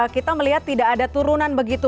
kita melihat tidak ada turunan begitu